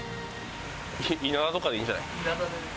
イナダとかでいいんじゃない？